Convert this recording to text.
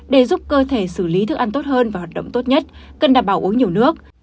để giúp cơ thể xử lý thức ăn tốt hơn và hoạt động tốt nhất cần đảm bảo uống nhiều nước